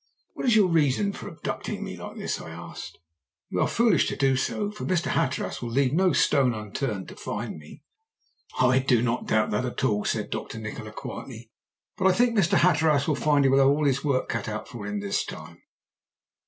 "'What is your reason for abducting me like this?' I asked. 'You are foolish to do so, for Mr. Hatteras will leave no stone unturned to find me.' "'I do not doubt that at all,' said Dr. Nikola quietly; 'but I think Mr. Hatteras will find he will have all his work cut out for him this time.'